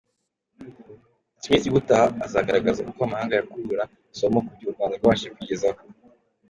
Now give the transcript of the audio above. Smith y’ubutaha azagaragaza uko amahanga yakura isomo ku byo u Rwanda rwabashije kwigezaho.